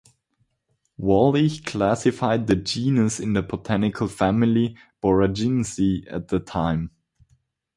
Wallich classified the genus in the botanical family Boraginaceae at the time.